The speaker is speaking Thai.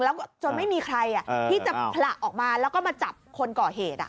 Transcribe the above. แล้วจนไม่มีใครที่จะผละออกมาแล้วก็มาจับคนก่อเหตุ